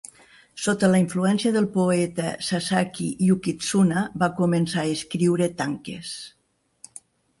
Sota la influència del poeta Sasaki Yukitsuna, va començar a escriure tankes.